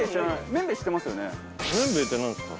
めんべいってなんですか？